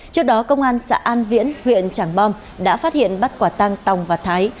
trước đó công an xã an viễn huyện trảng bom đã phát hiện bắt quả tăng tòng và thái